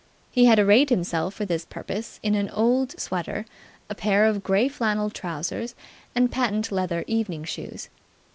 He had arrayed himself for this purpose in an old sweater, a pair of grey flannel trousers, and patent leather evening shoes.